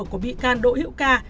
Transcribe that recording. của bị can đỗ hiệu ca